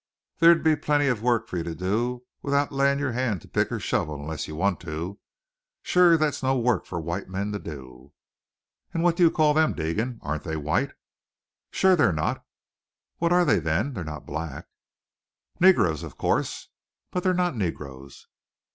"There'll be plenty av work for ye to do without ever layin' yer hand to pick or shovel unless ye want to. Shewer that's no work fer a white man to do." "And what do you call them, Deegan? Aren't they white?" "Shewer they're naat." "What are they, then? They're not black." "Nagurs, of coorse." "But they're not negroes."